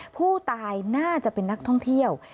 ผู้ตายน่าจะเป็นนักท่องเที่ยว